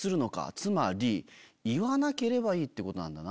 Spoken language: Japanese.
つまり言わなければいいってことなんだな。